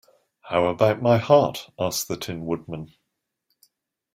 How about my heart? asked the Tin Woodman.